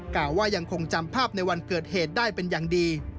กล่าวว่ายังคงจำภาพในวันเกิดเหตุได้เป็นอย่างดี